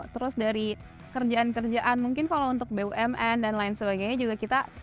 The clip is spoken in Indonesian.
terus dari kerjaan kerjaan mungkin kalau untuk bumn dan lain sebagainya juga kita